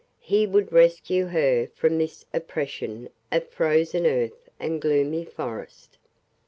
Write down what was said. He would rescue her from this oppression of frozen earth and gloomy forest.